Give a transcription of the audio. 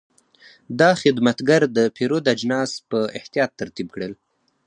دا خدمتګر د پیرود اجناس په احتیاط ترتیب کړل.